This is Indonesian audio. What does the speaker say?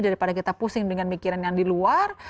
daripada kita pusing dengan mikiran yang di luar